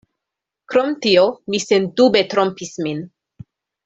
Krom tio, mi sendube trompis min.